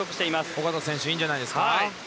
小方選手いいんじゃないですか？